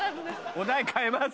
お題変えます。